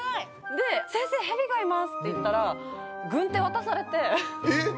で「先生蛇がいます」って言ったら軍手渡されてえっ！